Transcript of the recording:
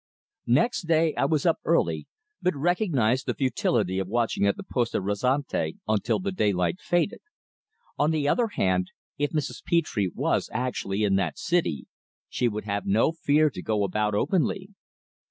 Next day, I was up early, but recognised the futility of watching at the Poste Restante until the daylight faded. On the other hand, if Mrs. Petre was actually in that city, she would have no fear to go about openly.